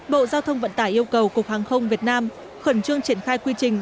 bộ giao thông vận tải yêu cầu cục hàng không việt nam khẩn trương triển khai quy trình